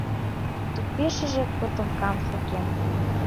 Тупешыже котомкам сакен.